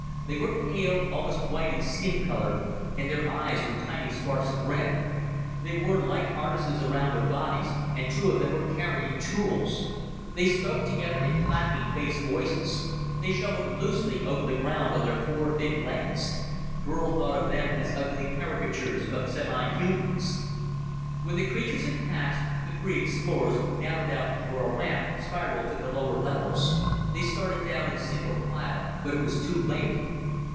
They were pale, almost white in skin color, and their eyes were tiny sparks of red. They wore light harnesses around their bodies, and two of them were carrying tools. They spoke together in clacking bass voices. They shuffled loosely over the ground on their four thin legs. Burl thought of them as ugly caricatures of semi humans. When the creatures had passed, the three explorers darted out to where a ramp spiraled to the lower levels. They started down in single file, but it was too late.